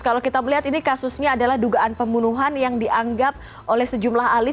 kalau kita melihat ini kasusnya adalah dugaan pembunuhan yang dianggap oleh sejumlah alis